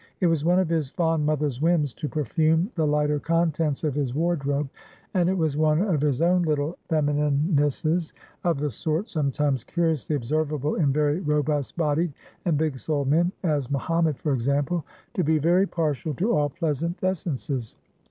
It was one of his fond mother's whims to perfume the lighter contents of his wardrobe; and it was one of his own little femininenesses of the sort sometimes curiously observable in very robust bodied and big souled men, as Mohammed, for example to be very partial to all pleasant essences.